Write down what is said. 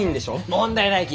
問題ないき！